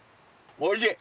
おいしい！